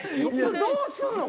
どうすんの？